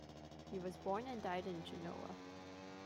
He was born and died in Genoa.